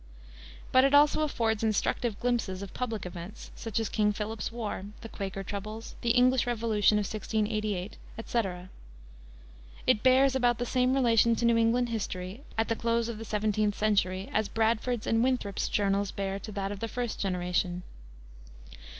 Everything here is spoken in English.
But it also affords instructive glimpses of public events, such as King Philip's War, the Quaker troubles, the English Revolution of 1688, etc. It bears about the same relation to New England history at the close of the seventeenth century as Bradford's and Winthrop's journals bear to that of the first generation.